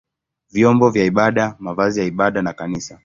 vyombo vya ibada, mavazi ya ibada na kanisa.